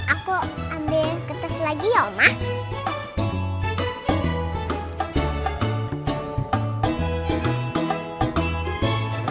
aku ambil kertas lagi ya omah